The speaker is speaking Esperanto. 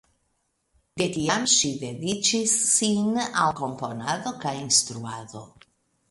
De tiam ŝi dediĉis sin al komponado kaj instruado.